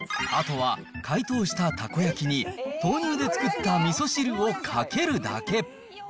あとは解凍したたこ焼きに豆乳で作ったみそ汁をかけるだけ。